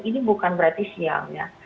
ini bukan berarti siang ya